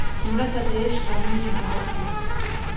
مړه ته د عشق او مینې دعا کوو